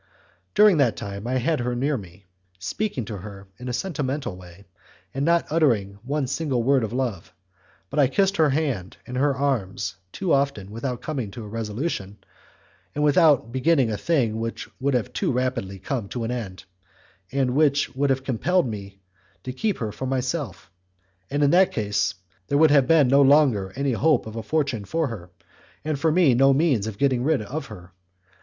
During that time I had her near me, speaking to her in a sentimental way, and not uttering one single word of love; but I kissed her hand and her arms too often without coming to a resolution, without beginning a thing which would have too rapidly come to an end, and which would have compelled me to keep her for myself; in that case, there would have been no longer any hope of a fortune for her, and for me no means of getting rid of her.